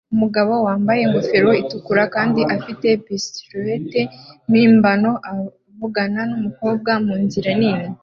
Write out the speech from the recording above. Umugabo wambaye ingofero itukura kandi afite pistolet mpimbano avugana numukobwa munzira nini